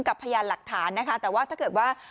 พยานหลักฐานนะคะแต่ว่าถ้าเกิดว่า